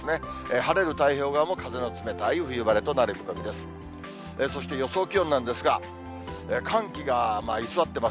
晴れる太平洋側も風の冷たい冬晴れとなる見込みです。